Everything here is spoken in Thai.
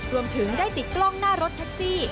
รวมถึงได้ติดกล้องหน้ารถแท็กซี่